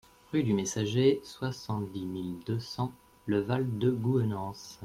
Rue du Messager, soixante-dix mille deux cents Le Val-de-Gouhenans